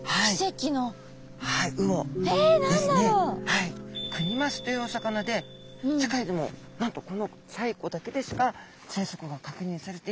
はいクニマスというお魚で世界でもなんとこの西湖だけでしか生息が確認されていません。